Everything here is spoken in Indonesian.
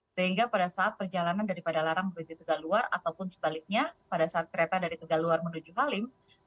sehingga pada saat perjalanan daripada larang menuju tegaluar ataupun sebaliknya pada saat kereta dari tegaluar menuju halim